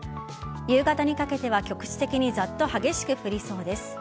夕方にかけては局地的にざっと激しく降りそうです。